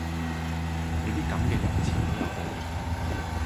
你啲噉嘅人遲早有報應！